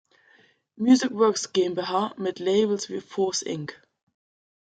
Music Works GmbH mit Labels wie Force Inc.